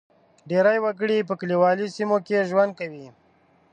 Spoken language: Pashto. ډېری وګړي په کلیوالي سیمو کې ژوند کوي.